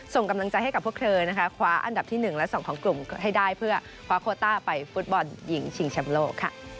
ส่งกำลังใจให้กับพวกเธอนะคะคว้าอันดับที่๑และ๒ของกลุ่มให้ได้เพื่อคว้าโคต้าไปฟุตบอลหญิงชิงแชมป์โลกค่ะ